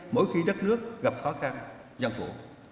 mỗi khi đất nước gặp khó khăn gian vụ